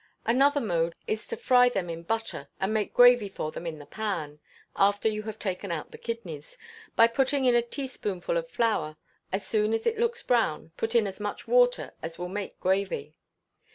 Another mode is to fry them in butter, and make gravy for them in the pan (after you have taken out the kidneys), by putting in a teaspoonful of flour; as soon as it looks brown, put in as much water as will make gravy.